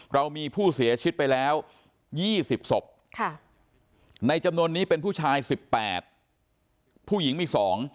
เรามีผู้เสียชีวิตไปแล้ว๒๐ศพในจำนวนนี้เป็นผู้ชาย๑๘ผู้หญิงมี๒